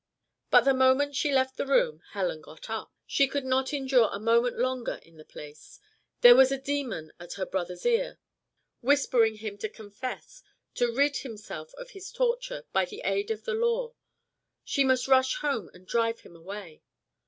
But the moment she left the room, Helen got up. She could not endure a moment longer in the place. There was a demon at her brother's ear, whispering to him to confess, to rid himself of his torture by the aid of the law: she must rush home and drive him away.